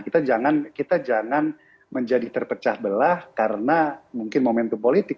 kita jangan menjadi terpecah belah karena mungkin momentum politik